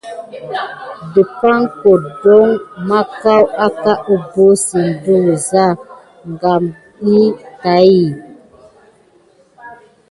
Depakè kedoho maku aka keɓosukni de wuza kam kin tät.